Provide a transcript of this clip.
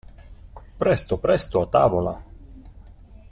Presto, presto a tavola!